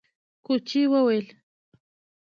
کوچي وويل: